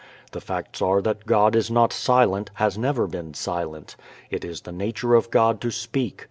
The facts are that God is not silent, has never been silent. It is the nature of God to speak.